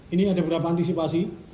ini ada beberapa antisipasi